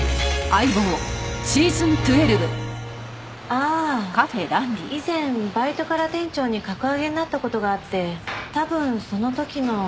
ああ以前バイトから店長に格上げになった事があって多分その時の。